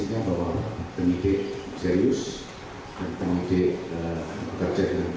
intinya bapak bapak kapolri melakukan berkenan kinerja maupun perkembangan berkenan dengan tindana penyerangan air keras terhadap penyidik kpk